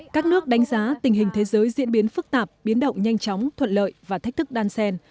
các nước đánh giá tình hình thế giới diễn biến phức tạp biến động nhanh chóng thuận lợi và thách thức đan sen